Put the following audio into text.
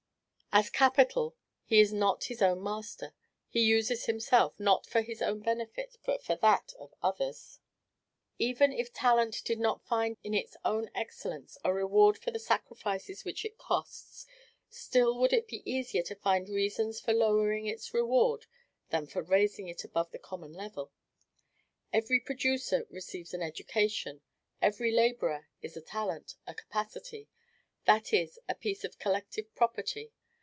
As capital, he is not his own master; he uses himself, not for his own benefit, but for that of others. Even if talent did not find in its own excellence a reward for the sacrifices which it costs, still would it be easier to find reasons for lowering its reward than for raising it above the common level. Every producer receives an education; every laborer is a talent, a capacity, that is, a piece of collective property.